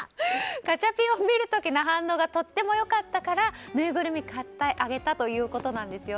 ガチャピンを見る時の反応がとっても良かったからぬいぐるみを買ってあげたということです。